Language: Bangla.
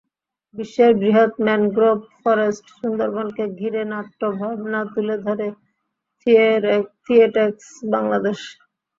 বিশ্বের বৃহৎ ম্যানগ্রোভ ফরেস্ট সুন্দরবনকে ঘিরে নাট্যভাবনা তুলে ধরে থিয়েট্রেক্স বাংলাদেশ।